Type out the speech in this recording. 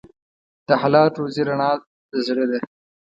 د حلال روزي رڼا د زړه ده.